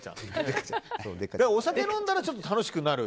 お酒飲んだらちょっと楽しくなる？